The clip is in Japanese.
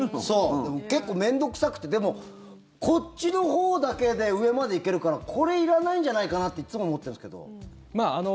結構面倒臭くてでも、こっちのほうだけで上まで行けるからこれいらないんじゃないかなっていつも思ってるんですけど。